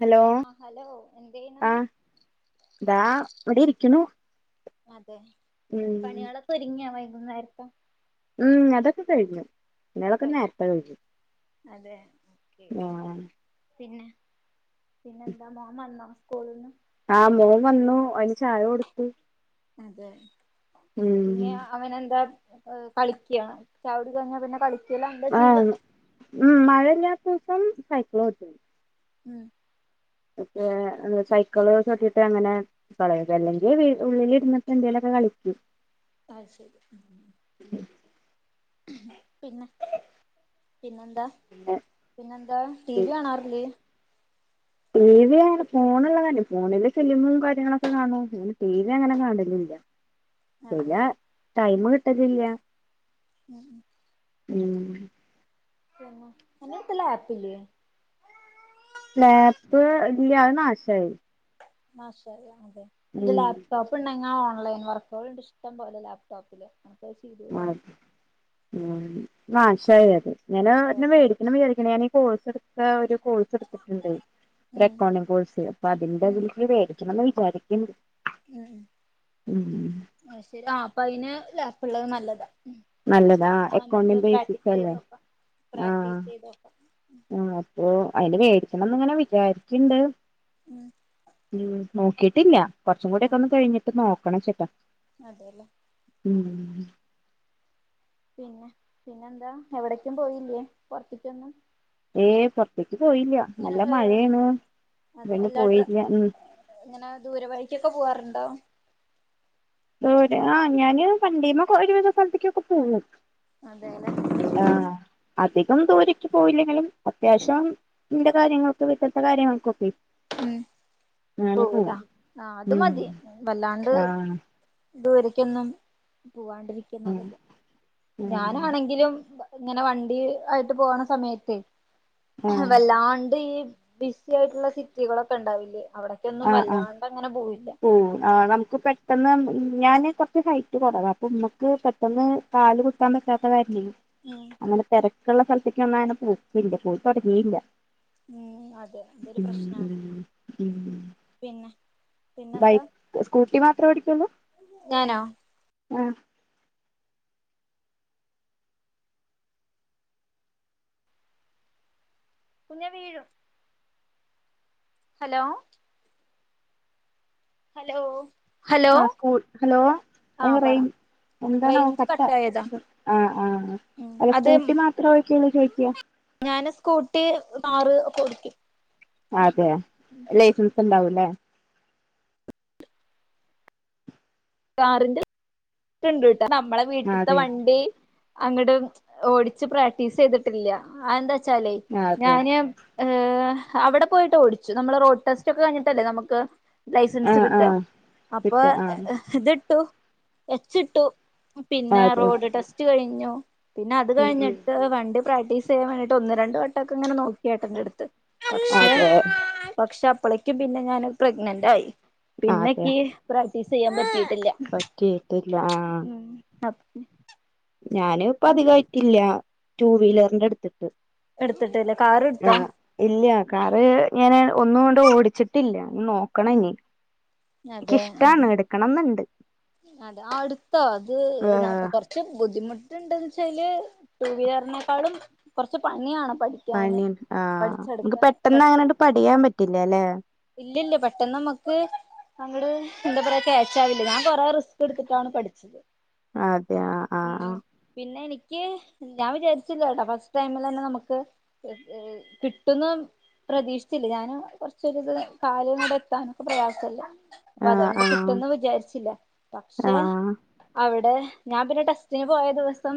Hello ആ hello എന്തെയ്യ്ണ് ആഹ് താ ഇവിടെ ഇരിക്കുന്നു അതെ പണിയളൊക്കെ ഒരുങ്ങിയാ വൈകുന്നേരത്തെ ഉം അതൊക്കെ കഴിഞ്ഞു പണിയൊളൊക്കെ ഒക്കെ? നേരപ്പ കഴിഞ് അതെ ഓക്കെ ആഹ് പിന്നെ പിന്നെന്താ മോമന്നോ സ്കൂള നിന്ന് ആഹ് മോൻ വന്നു അതിന് ചായ കൊടുത്തു അതെ ഉം പിന്നെ അവനെന്താ കളിക്കാണ് ചവിട കഴിഞ്ഞ പിന്നെ കള ആഹ് മ മഴയില്ലാത്ത ദിവസം സൈക്കിളോടിക്ക് ഉം പക്കെ സൈക്കിള് ചോട്ടിട്ട് അങ്ങനെ ളയ അല്ലെങ്കിൽ ഉള്ളിൽരുന്ന എന്തലൊക്കെ കളിക്കും അയ്ഷരി പിന്നെ പിന്നെന്താ പിന്നെന്താ ടി വി കാണാറില്ലേ ടി വിയണ് ഫോണള്ള കാര്ം ഫോണില് ഫിലിമും കാര്യങ്ങളൊക്കെ കാണോ ഫോ ടി വി അങ്ങനെ കാണലില്ല [unintelligible] ചില അതെല്ലേ ടൈം കിട്ടലില്ല ഉം ഉം അനക്ക് ലാപ്പില്ലെ ലാപ്പ് ഇല്ല അതനാശായി ആ ശ അതെ ഉം ലാപ്ടോപ്പ് പ്പ്ണ്ടെങ്ങി ഓൺലൈ വർക്കുകളണ്ട് ഇഷ്ടം പോലെ ലാപ്ടോപ്പില് ചെയ്തൂടെ ആഹ് നാശായ അതെ [inaudible] മേടിക്ക [unintelligible] ഞൻ ഈ കോഴ്സ് എടുത്ത ഒരു കോഴ്സ് എടുത്തിട്ടുണ്ടേയ് ഉം അകൗണ്ടിങ് കോഴ്സെ അപ്പൊ ഉം അതിന്റെതിൽേരിക്കണംന്ന് വിചാരിക്കണ്ട് ഉം ഉം ശരി ആ അപ്പൊ അയ്ന് ലപ്പള്ളത് നല്ലതാ നല്ലതാ അക്കൗണ്ടി നമുക്ക് പ്രാക്ടീസ് ബേസിക്സ് അല്ലേ ചെയ്തോക്കാം ആഹ് പ്രാക്ടീസ് ചെയ്തോക്കാം ആഹ് അപ്പം അയ്ന് മേടിക്കണംന്ന് ഇങ്ങനെ വിചാരിക്കണ്ട്. ഉം ഉം നോക്കിട്ടില്ല കുറച്ചും കൂടി ഒക്കെ ഒന്ന് കഴിഞ്ഞിട്ട് നോക്കണം ചേട്ടാ അതേലെ ഉംഹ് പിന്നെ പിന്നെന്താ എവടെക്കും പോയില്ലേ? പൊർത്തിക്കൊന്നും? ഏയ് പൊർത്തിക്ക് പോയില്യ. ഇങ്ങനെ നല്ല ഏ മഴേണ്. അതുകൊണ്ട് പോയില്യ. ഉം. ങ്ങനെ ദൂര വഴിക്കൊക്കെ പോവാറുണ്ടോ? ദൂര ആഹ് ഞാന് വണ്ടീമ്മേ ഒരു വിധ സ്ഥൽത്ത്ക്കൊക്കെ പോവും. അതേലെ? ആഹ് അധികം ദൂരക്ക് പോയില്ലെങ്കിലും അത്യാവശ്യം ന്റെ കാര്യങ്ങൾക്കും വിട്ടീത്തെ കാര്യങ്ങൾക്കൊക്കെ ഉം ഞാന് പോവുലെ പോവും ആഹ് അത് ഉം മതി വല്ലാണ്ട് ആഹ് ദൂരെക്കൊന്നും പോവാണ്ടിരിക്ക ഉം നല്ലത്. ഉം ഞാനാണെങ്കിലും ങ്ങനെ വണ്ടി ആയിട്ട് പോണ സമയത്തെ ആഹ് വല്ലാണ്ട് ഈ ബിസി ആയിട്ടുള്ള സിറ്റികളൊക്കെ ണ്ടാവില്ലേ അവിടെ ആഹ് ആഹ് ഓ ആഹ് നമ്മുക്ക് പെട് ട്ടെന്ന് ഞാന് കൊർച്ച് ഹൈറ്റ് കുറവാ. അപ്പൊമ്മക്ക് പെട്ടന്ന് കാല് കുത്താൻ പറ്റാത്ത കാർനെയ്. ഉം നല്ല തെരക്കുള്ള സ്ഥൽത്ത്ക്ക് ഒന്നങ്ങനെ പോക്കില്ല. പോയിതൊടങ്ങില്ല. ഉം അതെ അതൊരു പ്രശ്നാണ്. ഉം ഉം പിന്നെ? പിന്നെന്താ ബൈക്ക് സ്കൂട്ടി മാത്രേ ഓടിക്കുള്ളൂ? ഞാനോ കുഞ്ഞെ വീഴും. ഹലോ ഹലോ ഹലോ ആഹ് സ്കൂൾ ഹലോ ആഹ് അയ്ന് റേ പറ എന്താണവോ റേഞ്ച് കട്ട കട്ടായതാ ആഹ് ആഹ് ഉം അല്ല അത് സ്കൂട്ടി മാത്രേ ഓടിക്കുള്ളൂ ചോയ്ക്കാ? ഞാന് സ്കൂട്ടി, കാറ് ഒക്കെ ഓടിക്കും. അതെയോ ലൈസൻസ് ണ്ടാവുല്ലേ? കാറിന്റെ [unintelligible] നമ്മളെ വീട്ട്ത്തെ അതെ വണ്ടി അങ്ങട് ഓടിച്ച് പ്രാക്ടീസെയ്തിട്ടില്ല. അത് എന്താച്ചാലേ അതെ ഞാന് ഏഹ് അവടെ പോയിട്ട് ഓടിച്ചു, നമ്മള് റോഡ് ടെസ്റ്റ് ഒക്കെ കഴിഞ്ഞിട്ടല്ലേ നമ്മക്ക് ലൈസൻസ് ആഹ് കിട്ടുക. ആഹ് അപ്പൊ കിട്ടും ആഹ് ഇത്ട്ടു എച്ചിട്ടു. പിന്നെ അതെ റോഡ് ടെസ്റ്റ് കഴിഞ്ഞു. പിന്നെ അത് ഉം ഉം കഴിഞ്ഞിട്ട് വണ്ടി പ്രാക്ടീസെയ്യാൻ വേണ്ടിട്ട് ഒന്ന് രണ്ട് വെട്ടമൊക്കെ ഇങ്ങനെ നോക്കിഏട്ടന്റെ അടുത്ത്. പക്ഷെ അതെ പക്ഷെ അപ്പളേക്കും പിന്നെ ഞാന് പ്രഗ്നന്റ് ആയി. അതെ പിന്നെക്ക് പ്രാക്ടീ സെയ്യാൻ പറ്റിയിട്ടില്ല. പറ്റിയിട്ടില്ല. ആഹ് ഉം പറ്റ് ഞാന് പ്പധികമായിട്ടില്ല ടു വീലർന്റെട്ത്തിട്ട്. എടുത്തിട്ടില്ല കാറ്ട്ത്താ? ഇല്യ. കാറ് ഞാന് ഒന്നുകൊണ്ട് ഓടിച്ചിട്ടില്ല. ന്നി നോക്കണം ഇനി. ഇക്കിഷ്ടാണ് എടുക്കണംന്ന്ണ്ട്. അത് ആട്ത്തോ അത് ന ആഹ് കൊർച് ച്ച് ബുദ്ധിമുട്ട്ണ്ട്ന്ന്ച്ചാല് ടു വീലറിനെക്കാളും കൊർച്ച് പണിയാണ് പഠി പണി. ആഹ് നമ്മുക്ക് പെട്ടെന്ന് അങ്ങന ണ്ട് പഠിയാൻ പറ്റില്ല ല്ലെ? ഇല്യല്ല പെട്ടൊന്നമ്മക്ക് അങ്ങട് എന്താ പറയാ ക്യാച്ചാവില്ല. ഞാൻ കൊറേ റിസ്ക് ട്ത്ത്ട്ടാണ് പഠിച്ചത്. ആഹ് അതെയോ? ആഹ് ആഹ് ഉം പിന്നെ എനിക്ക് ഞാൻ വിചാരിച്ചില്ല കേട്ടോ ഫസ്റ്റ് ടൈമിലെന്നെ നമുക്ക് ഏ ഏ ഹ് കിട്ടുന്ന് പ്രതീക്ഷിച്ചില്ല ഞാനും കൊർച്ചൊരിത് കാലുംകൂടെ എത്താനൊക്കെ പ്രയാസല്ലെ ആഹ് അപ്പതോണ്ട് ആഹ് കിട്ടുന്ന് വിചാരിച്ചില്ല. പക്ഷെ ആഹ് അവിടെ.. ഞാൻ പിന്നെ ടെസ്റ്റിന് പോയ ദിവസം..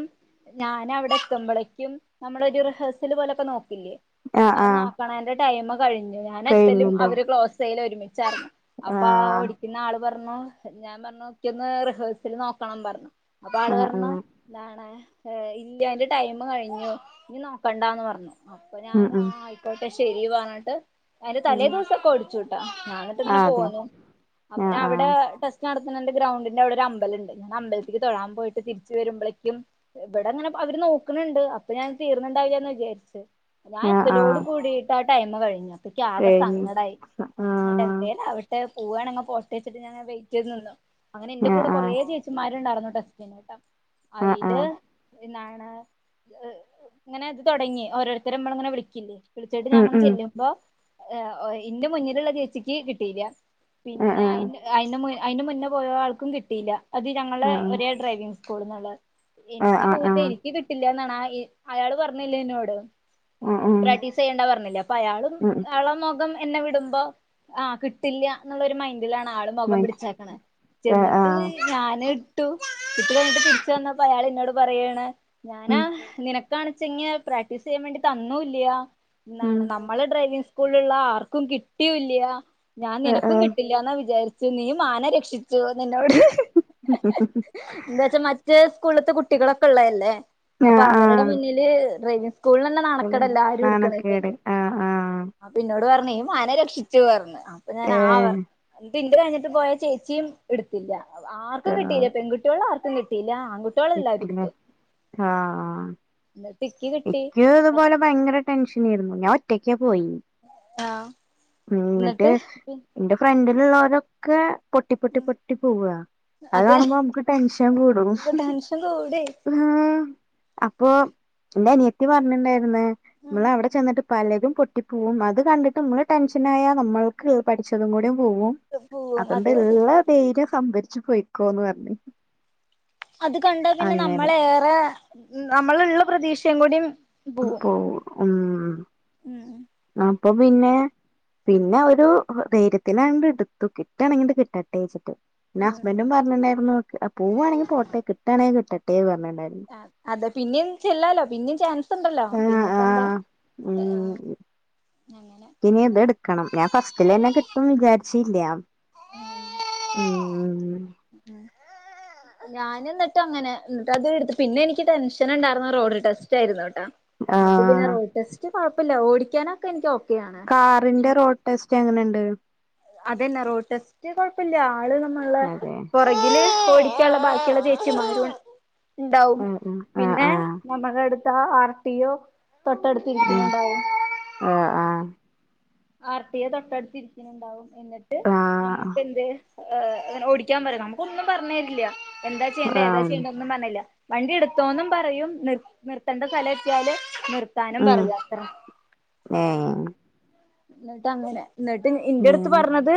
ഞാന അവിടെ ത്തുമ്പളേക്കും നമ്മളൊരു റിഹേഴ്സൽ പോലൊക്കെ നോക്കിലേ ആഹ് അത് ആഹ് നോക്കണെന്റെ ടൈം കഴിഞ്ഞു ഞാൻ എത്തേലും കഴിഞ്ഞിണ്ടാവും അവര് ക്ലോസ്യ്യലും ഒരുമിചാര്ന്നു അപ്പ ആഹ് ഓടിക്കുന്ന ആള് പർണു ഞാൻ പറഞ്ഞു എിക്കൊന്ന് റിഹേസൽ നോക്കണം പറഞ്ഞു അപ്പആള് ആഹ് പറണ് ആഹ് ഇതാണ് ഇല്ല അന്റെ ടൈം കഴിഞ്ഞു ഇനി നോക്കണ്ടന്ന് പറഞ്ഞു അപ്പൊ ഞാൻ ഉം ഉം ആ ആയിക്കോട്ടെ ശെരി പറഞ്ഞിട്ട് അതിന്റെ തലേ ഉം ദിവസക്കെ ഒടിച്ചുട്ടൊ ഞാനിട്ടിങ്ങനെ ആഹ് അതെ പോന്നു ആഹ് അവിടെ ആഹ് ടെസ്റ്റ്‌ നടത്തുന്നുണ്ടെ ഗ്രൗണ്ടിന്റെ അവടെരു അമ്പലണ്ട് ഞാൻ അമ്പൽതിക് തൊഴാൻ പോയിട്ട് തിരിച്ചു വരുമ്പളേകു ഇബടെങ്ങനെ അവര് നോക്കണണ്ട് അപ്പൊ ഞാൻ തീർന്നണ്ടാവില്ലന്ന് വിചാരിചേ. ഞനെ ആഹ് ആഹ് എത്തലോട് കൂടിട്ട് ആ ടൈമ് കഴിഞ്ഞു അപ്പഴിക്ക് ആക കഴിഞ്ഞു സങ്കടായി ആഹ് ഞാനിന്നിട്ടെഎന്തേ ആവെ പോവാണങ്കി പോട്ടെച്ചിട്ട്ഞൻ വെയിറ്റയ്ത് നിന്നു അങ്ങനെ എന്റെ ആഹ് കൂടെ കൊറേ ചേച്ചി മാരുണ്ടാര്ന്നു ടെസ്റ്റിനീട്ട ആഹ് ആഹ് അയില് ആഹ് ന്നാണ് ഇങ്ങനെ അത് തൊടങ്ങി ഓരോരുത്തരും നമ്മള ങ്ങനെ വിളിക്കില്ലേ വിളിച്ചിട്ട് ഉം ഞാനങ്ങനെ ഉം ചെല്ലുമ്പോ ഓഹ് ഇന്റെ മുന്നിലുള്ള ചേച്ചിക്ക് കിട്ടിയില്ല ആഹ് പിന്നെ ആഹ് അയിന്റെ അയിന്റെ അയിന്റെ മുന്നേ പോയ ആൾക്കും കിട്ടിയില്ല അത് ഞങ്ങളെ ഒരേ ആഹ് ഡ്രൈവിംഗ് കുട്ന്നുള്ള എനിക്ക് ആഹ് ആഹ് പോയിട്ട് ആഹ് എനിക്ക് കിട്ടില്ല എന്നാണ് അയാള് പറഞ്ഞില്ലേ എന്നോട് ഉം ഉം പ്രാക്ടീസ് യ്യണ്ടാ പറഞ്ഞില്ലേ അപ്പൊ അയാളു ഉം അയാള മൊഖം എന്നെ വിടുമ്പോ ആ കിട്ടില്ല ന്നുള്ളരു മൈൻഡിലാണ് ആളും മൊഖം ഉം പിടിചേകണ് ആഹ് ചെന്നിട്ട് ആഹ് ഞാന് ട്ടു ഇട്ട് വന്നിട്ട് തിരിച്ചു വന്നപ്പോ അയാൾ എന്നോട് പറയെണ് ഞാനാ ഉം നിനക് കാണിചെങ്ങേ പ്രാക്ടീസ് യ്യാൻ വേണ്ടി തന്നുല്ല ഉം ന്നാണ് നമ്മള് ഡ്രൈവിംഗ് കുളുള്ള ആർക്കും കിട്ടിയുല്ല്യ ഞാൻ ആഹ് നിനക്കും ആഹ് കിട്ടില്ലന്ന വിചാരിച്ചു നീ മാനം രക്ഷി ച്ചു. നിന്നോട് എന്താ വച്ചാ മറ്റേ സ്കൂൾത്തെ കുട്ടികളൊക്കെള്ളല്ലേ അപ്പൊ ആഹ് അവരുടെ ആഹ് മുന്നില് സ്കൂളന്നെ നാണക്കടല്ലേ ആരും നാണക്കേട് എടുക്കണില്ലെങ്കി ആഹ് ആഹ് അപ്പിന്നോട് പർണി ഈ മാനെ രക്ഷിച്ചു പറഞ്ഞു അപ്പൊ ഞാന് ആ പർ ഏഹ് പിന്റെ കഴിഞ്ഞിട്ട് പോയ ചേച്ചിയും എടുത്തില്ല ആർക്കും കിട്ടയില്ല പെൺകുട്ടിളൊ ആർക്കും കിട്ടിയില ആണ്കു കിട്ടിലെ ആ ന്നട്ടിക്കി ഇക്യു ഇതുപോലെ ഭയങ്കര ടെൻഷനേ രുന്നു ഞാൻ ഒറ്റക്കാ പോയി ആഹ് മ്മ് എന്നിട്ട് എന്റെ ഫ്രണ്ടിലുള്ളരൊക്കെ പൊട്ടി പൊട്ടി പൊട്ടി പോവ അത് കാണുമ്പോ നമുക്ക് ടെൻഷൻ കൂടും ടെൻഷൻ കൂടി ആ അപ്പൊ എന്റെ അനിയത്തി പറഞ്ഞിട്ടുണ്ടായിരുന്നു നമ്മൾ അവിടെ ചെന്നിട്ട് പലരും പൊട്ടി പോവും അത് കണ്ടിട്ട് നമ്മള് ടെൻഷനായ നമ്മൾക്ക് പഠിച്ചതും കൂടെ പോവും പോവും അതുകൊണ്ട് അതെ അതെ ഇളള ധൈര്യം സംഭരിച്ചു പോയിക്കോന്ന് പറഞ്ഞ് അത് കണ്ട പിന്നെ നമ്മള അങ്ങനെ റെ നമ്മള് ള്ള പ്രതീക്ഷയും കുടിം പോവും ഉം ഉം അപ്പൊ പിന്നെ പിന്നെ ഒരു ധൈര്യത്തിന് ആണ്ട് ടുത്തു കിട്ടണെങ്ങി ആണ്ട് കിട്ടട്ടെച്ചിട്ട് പിന്നെ ഹസ്ബൻഡും പറഞ്ഞിട്ടണ്ടാര് ന്നു. പോവാണെങ്കി പോട്ടെ കിട്ടാണെങ്കിൽ കിട്ടട്ടെ പറഞ്ഞിട്ടുണ്ടായിരുന്നു ആ അതെ പിന്നിം ചെല്ലല്ലോ പിന്നിം ചാൻസ് ണ്ടല്ലോ ആഹ് പിന്നെപ്പ എന്താ ആഹ് എ ഓ അങ്ങനെ ഇനിയതെടുക്കണം ഞാൻ ഫസ്റ്റിലെന്നെ കിട്ടും വിചാരിച്ചില്ല [unintelligible] ഉം [inaudible] ഞാന് ഇന്നിട്ട് അങ്ങനെ ന്നിട്ട് അത എടുത്ത് പിന്നെ എനിക്ക് ടെൻഷൻ ഇണ്ടാരുന്ന റോഡ് ടെസ്റ്റരുന്നുട്ടാ ഇന്നിട്ട് പിന്നെ ആഹ് റോഡ് ടെസ്റ്റ് കൊ ഴപ്പല്ല ഓടിക്കാനൊക്കെ ഇനിക്ക് ഓക്കെയാ കാറിന്റെ റോഡ് ടെസ്റ്റ് എങ്ങനെണ്ട്? അതന്നെ റോഡ് ടെസ്റ്റ് കൊഴപ്പല്ല ആള് നമ്മളെ പ്പോ അതെ പുറകിൽ ഓടിക്കനിള്ള ബാക്കിയുള്ള ചേച്ചിമാര് ഉണ്ടാവും ഉം ഉം ആഹ് പിന്നെ ആഹ് നമ്മളടുത്ത ആ ആർട്ടിയോ തൊട്ടടുത്തിരിക്കയണ്ടാവും. ആഹ്ആഹ്. ആർട്ടിഒ തൊട്ടടുത്തിരിക്കുന്നുണ്ടാവും എന്നിട്ട് ആഹ് നമ്മക്കെന്ത് ഏ് ഓടിക്കാൻ പറിം നമുക്കൊന്നും പറഞ്ഞരില്ല എന്താ ചെയ്യണ്ട് ഏതാ ആഹ് ചെയ്യേണ്ട് ന്നും പറില്ല വണ്ടി എടുത്തോന്നും പറയും നി നിർത്തേണ്ട സ്ഥലം എത്തിയാല് നിർ താനും ഉം പറയും അത്ര ഏഹ്. ഇന്നിട്ട് അങ്ങനെ ഇന്നിട്ട് ഇന്റെ അടുത്ത് ഉം പറഞ്ഞത്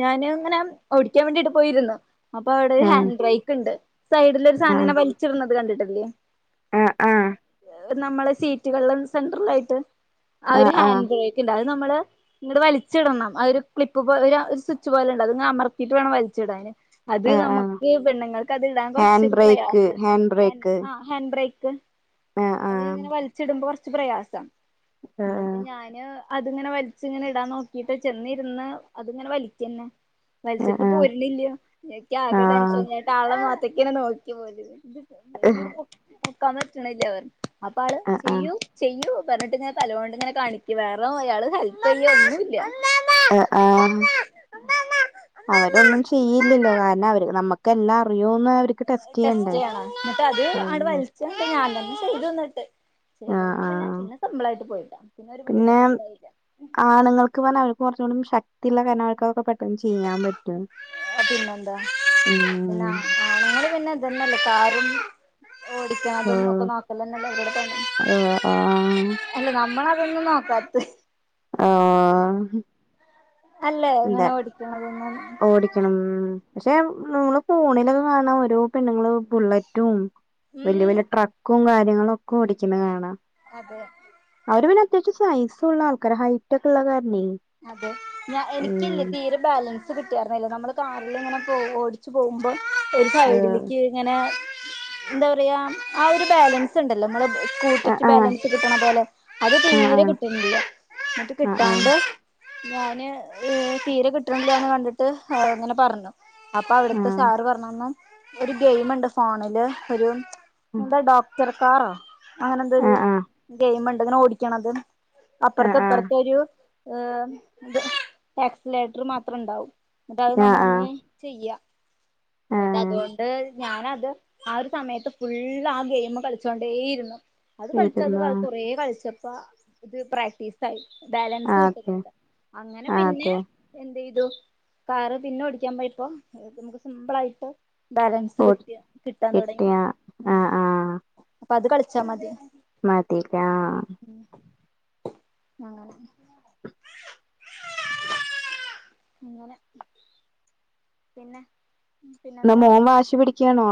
ഞാന് ഇങ്ങനെ ഓടിക്കാൻ വേണ്ടിട്ട് പോയിരുന്നു അപ്പൊ അവടെ ഒരു ആഹ് ഹാൻഡ് ബ്രേക്ക് ഇണ്ട്. സൈഡില് ഒരു സാനങ്ങനെ വലിച്ചിടുന്നത് കണ്ടിട്ടില്ലേ. ആഹ് ആഹ്. നമ്മളെ സീറ്റകളില് സെൻട്രലായിട്ട് ആ ഒരു ആഹ് ആഹ് ഹാൻഡ് ബ്രേക്ക് ഉണ്ട് അത് നമ്മള് ഇങ്ങട് വലിച്ചിടണം അഹ് ഒരു ക്ലിപ്പ് ഒരു സ്വിച്ച് പോലെ ഉണ്ടത് അമർത്തിട്ട് വാണം വലിച്ചിടാന്. അത് ആഹ് ആഹ് നമക്ക് പെണ്ണുങ്ങൾക്ക് അത് ഇടാൻ ഹാൻഡ് കൊറച്ചൊരു ബ്രേക്ക് പ്രയാസ ഹാൻഡ് ബ്രേക്ക് ആഹ് ഹാൻഡ് ബ്രേക്ക്. ആഹ് അഹ് ആഹ് ഇങ്ങനെ വലിച്ചിടുമ്പോ കൊറച്ച് പ്രയാസ ഇന്ന്ട്ട് ആഹ് ഞാന്. അതിങ്ങനെ വലിച്ച ഇങ്ങനെ ഇടാൻ നോക്കിട്ട് ചെന്നിരുന്ന് അത്ങ്ങനെ വലിക്കന്നെ. വലിച്ചിട്ട് ആഹ് പോരണില്ല ഇക്ക് ആകെ ആഹ് ടെൻഷൻ ഞന്നട്ട് ആളെ മോത്ത്ക്കന്നെ നോക്കിപോയി ഇങ്ങട്ട് പൊക്കാൻ പറ്റണില്ലന്നെ അപ്പാള് ആഹ് ആഹ് ചെയ്യൂ. ചെയ്യൂ പറഞ്ഞിട്ട് ഇങ്ങനെ തലോണ്ട് ഇങ്ങനെ കാണിക്ക വേറെ അയാള് ഹെല്പ് ചെയ്യ ഒന്നും ഇല്ല. അഹ് ആഹ്. അവരൊന്നും ചെയ്യില്ലല്ലോ ഒന്നുല്ല കാരണം അവർ നമ്മക്ക് എല്ലാം അറിയൂന്ന് അവർക്ക് ടെസ്റ്റ്. ചെയ്യണ്ടേ ടെസ്റ്റ്യ്യണ് ഇന്നിട്ട് അത് ആട്ട് അതന്നെ വലിച്ച ഞാൻ തന്നെ ചെയ്തുന്നിട്ട് ചെയ്തട്ട് ആഹ് പിന്നെ ആഹ് പിന്നെ സിമ്പിളായിട്ട് പോയിട്ടാ പിന്നെ ഒരു ബുദ്ധിമുട്ടു ഉണ്ടായില്ല. ആണുങ്ങൾക്ക് പറഞ്ഞാ അവർക്ക് കൊറചൂടി ശക്തിള്ള കാരണം അവർക്കൊക്കെ പെട്ടെന്ന് ചെയ്യാൻ പറ്റും. ആഹ് പിന്നെന്താ പിന്ന ഉം ആ ആണിങ്ങള് പിന്നെ ഇതന്നല്ലേ കാറും ഓടി ക്കും ഒക്കെ ആഹ് നോക്കലന്നല്ലേ അവരുടെ പണി ആഹ് ആഹ് എല്ല നമ്മള അതൊന്നും നോക്കാത്ത്. ആഹ്. അല്ലേ ഇങ്ങനെ അതെ ഓടിക്കണത്. ഓടിക്കണം പക്ഷേ നമ്മള് ഫോണിലൊക്കെ കാണാ ഓരോ പെണ്ണുങ്ങള് ബുള്ളറ്റും വല്യ ഉം വല്യ ട്രക്കും കാര്യങ്ങളു ഒക്കെ ഓടിക്ന്ന കാണാം അതെ അവര് പിന്നെ അത്യാവശ്യം സൈസുള്ള ആൾക്കാര ഹൈറ്റൊക്കെള്ള കാരണെയ് അതെ ഞ എനിക്കല്ലേ തീരെ. ബാലൻസ് കിട്ടിയരുന്നില്ല നമ്മള് കാറിൽ ഇങ്ങനെ പോ ഓടിച്ച് പോവുമ്പോ ഒരു ഏഹ് സൈഡിൽക്ക്. ഇങ്ങനെ ഇന്താ പറയ ആ ഒരു ബാലൻസ് ഉണ്ടല്ലോ നമ്മൾ ആഹ് സ്കൂട്ടിക്ക് ബാലൻസ് കിട്ടണ പോലെ അത് ആഹ് തീരെ ആഹ് കിട്ടണില്ല ഇന്നിട്ട് ആഹ് കിട്ടാണ്ട് ഞാന് തീരെ കിട്ടണില്ലന്ന് കണ്ടിട്ട് ഇങ്ങനെ പറഞ്ഞു അപ്പൊ അവിടുത്തെ ആഹ് സാറ് പറഞ്ഞന്നു ഒരു ഗെയിമുണ്ട് ഫോണില് ഒരു എന്താ ഡോക്ടർ കാറോ അങ്ങനെന്താരു ആഹ് ആഹ് ആഹ് ഗെയിമ്ണ്ട് ഇങ്ങനെ ഓടിക്കണത്. ആഹ് ആഹ് അപ്പർത്ത് ഇപ്പർത്തൊരു ഇയ് ഇത് ആക്സിലേറ്റ്ർ മാത്രം ഇണ്ടാവും ന്നിട്ട് അയ് ആഹ് ആഹ് ആഹ് നമ്മളിങ്ങനെ ചെയ്യാ ഇന്നിട്ട് ആഹ് അതോണ്ട് ഞാനത് ആ ഒരു സമയത്ത് ഫുള്ള് ആ ഗെയിമ് കളിച്ചോണ്ടേയിരുന്നു അത് കളിച്ചത് അത് ഇരുന്നോ കളിച്ച് കുറെ കളിച്ചപ്പോ ഇത് പ്രാക്ടീസ് ആയി ബാല ൻസ് ആഹ് അതെ കിട്ട്ന്നിണ്ട് അങ്ങനെ ആഹ് പിന്നെ അതെ എന്തയ്തു കാറ് പിന്നെ ഓടിക്കാൻ പോയപ്പോ നമുക്ക് സിമ്പിളായിട്ട് ബാലൻസ് ഓ കിട്ടിയ കിട്ടാൻ തുടങ്ങി കിട്ടിയ ആഹ് അപ്പൊ അത് കളിച്ചാ മതി മതിലാ ഉ അങ്ങനെ അങ്ങനെ [unintelligible] പിന്നെ [unintelligible] എന്ന പിന്നെന്താ മോൻ വാശി പിടിക്കാണോ